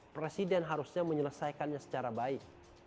presiden harusnya menyelesaikannya secara baik